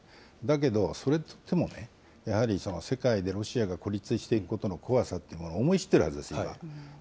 だけど、それって、でもね、やはり世界でロシアが孤立していることの怖さっていうのを思い知っているはずです、今。